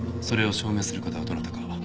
それを証明する方はどなたか。